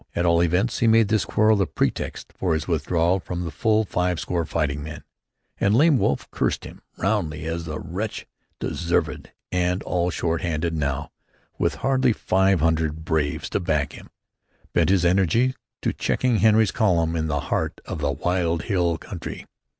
At all events he made this quarrel the pretext for his withdrawal with full five score fighting men, and Lame Wolf cursed him roundly as the wretch deserved and, all short handed now, with hardly five hundred braves to back him, bent his energies to checking Henry's column in the heart of the wild hill country.